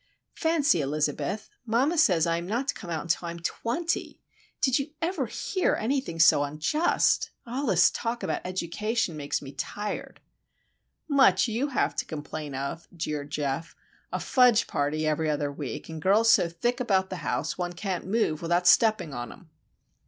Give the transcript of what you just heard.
Fancy, Elizabeth! mamma says I am not to come out till I am twenty! Did you ever hear anything so unjust? All this talk about education makes me tired." "Much you have to complain of," jeered Geof;—"a fudge party every other week, and girls so thick about the house one can't move without stepping on 'em!"